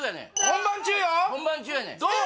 本番中やねんえっ！